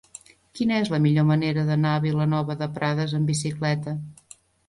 Quina és la millor manera d'anar a Vilanova de Prades amb bicicleta?